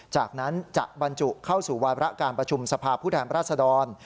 จากนั้นจะบรรจุเข้าสู่วาระการประชุมสภาพผู้แทนราชดร